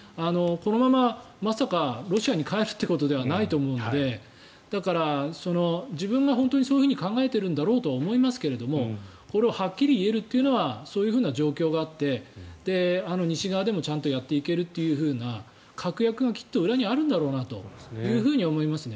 このまままさかロシアに帰るということではないと思うのでだから、自分が本当にそう考えているんだろうと思いますがこれをはっきり言えるというのはそういう状況があって西側でもちゃんとやっていけるというような確約がきっと裏にあるんだろうなと思います。